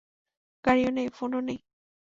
গাড়িও নেই, ফোনও নেই।